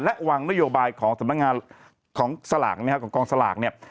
และวางนโยบายของสำนักงานของสลากนะครับของกองสลากเนี่ย